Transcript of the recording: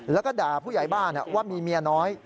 แล้วก็ด่าผู้ใหญ่บ้านว่ามีเมียน้อย